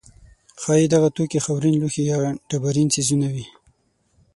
ښایي دغه توکي خاورین لوښي یا ډبرین څیزونه وي.